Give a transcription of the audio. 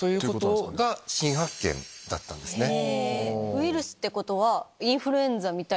ウイルスってことは。